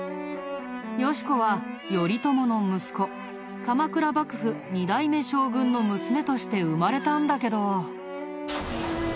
よし子は頼朝の息子鎌倉幕府２代目将軍の娘として生まれたんだけど。